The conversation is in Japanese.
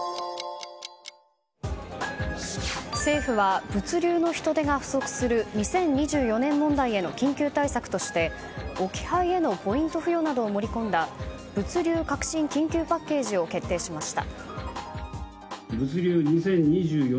政府は、物流の人手が不足する２０２４年問題への緊急対策として置き配へのポイント付与などを盛り込んだ物流革新緊急パッケージを決定しました。